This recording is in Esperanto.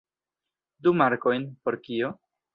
Du markojn? Por kio?